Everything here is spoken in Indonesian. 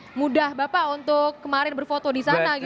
jalan mudah bapak untuk kemarin berfoto di sana gitu ya pak ya